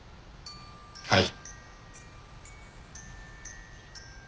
はい。